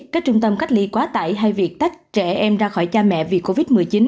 các trung tâm cách ly quá tải hay việc tách trẻ em ra khỏi cha mẹ vì covid một mươi chín